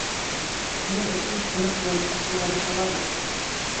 — Шуның өсөн ҡунаҡ менән асыуланышалармы?